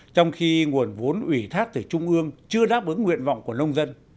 trong khi nguồn vốn ủy thác từ trung ương chưa đáp ứng nguyện vọng của nông dân